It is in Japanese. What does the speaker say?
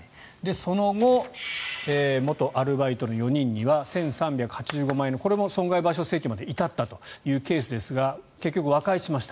その後、元アルバイトの４人には１３８５万円のこれも損害賠償請求まで至ったというケースですが結局、和解しました。